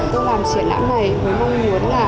tôi làm triển lãm này với mong muốn là